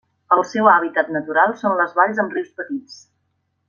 El seu hàbitat natural són les valls amb rius petits.